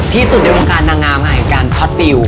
ที่สุดยังวงการนางนามนะไงการท็อตฟิว